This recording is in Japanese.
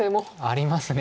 あります。